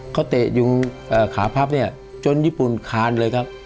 เขาเตะยูงขาพัพจนญี่ปุ่นคานเลย